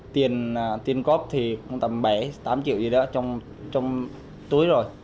còn tiền cốp thì tầm bảy tám triệu gì đó trong túi rồi